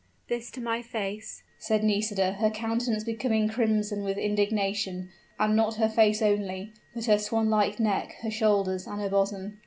this to my face?" said Nisida, her countenance becoming crimson with indignation, and not her face only, but her swan like neck, her shoulders, and her bosom.